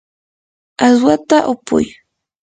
aswata upuy.